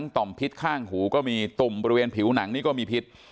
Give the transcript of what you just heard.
ต่อมพิษข้างหูก็มีตุ่มบริเวณผิวหนังนี่ก็มีพิษ